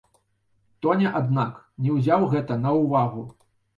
Тоня, аднак, не ўзяў гэта на ўвагу.